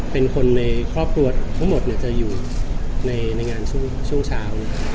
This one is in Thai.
เป็นคนในครอบครัวทั้งหมดจะอยู่ในงานช่วงเช้า